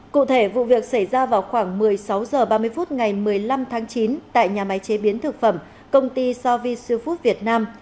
cụ thể vụ việc xảy ra vào khoảng một mươi sáu h ba mươi phút ngày một mươi năm tháng chín tại nhà máy chế biến thực phẩm công ty sovisufood việt nam